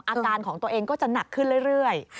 อาการของตัวเองก็จะหนักขึ้นเรื่อย